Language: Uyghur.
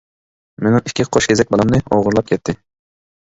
مېنىڭ ئىككى قوشكېزەك بالامنى ئوغرىلاپ كەتتى.